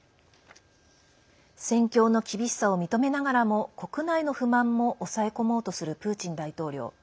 戦況の厳しさを認めながらも国内の不満も抑え込もうとするプーチン大統領。